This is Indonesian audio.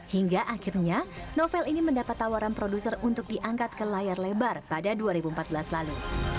hingga akhirnya novel ini mendapat tawaran produser untuk diangkat ke layar lebar pada dua ribu empat belas lalu